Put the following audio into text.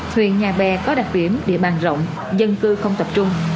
thuyền nhà bè có đặc điểm địa bàn rộng dân cư không tập trung